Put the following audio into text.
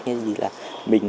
như là mình